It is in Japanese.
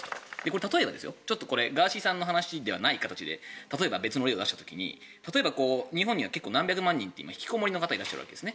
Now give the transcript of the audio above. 例えばこれはガーシーさんの話ではない形で例えば、別の例を出した時に日本には結構、何百万人って引きこもりの方がいらっしゃるわけですね。